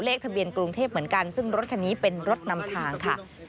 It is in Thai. เลขทะเบียนกรุงเทพเหมือนกันซึ่งรถคันนี้เป็นรถนำทางค่ะ